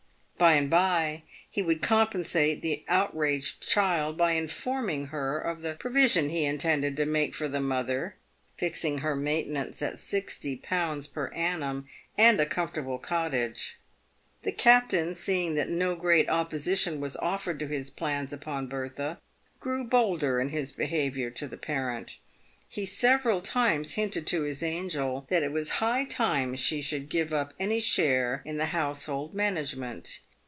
By and by he would compensate the outraged child by informing her of the provision he intended to make for the mother, fixing her maintenance at sixty pounds per annum and a comfortable cottage. The captain, seeing that no great opposition was offered to his plans upon Bertha, grew bolder in his behaviour to the parent. He several times hinted to his angel that it was high time she should give up any share in the household management.